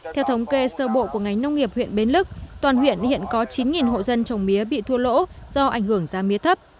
theo thống kê sơ bộ của ngành nông nghiệp huyện bến lức toàn huyện hiện có chín hộ dân trồng mía bị thua lỗ do ảnh hưởng giá mía thấp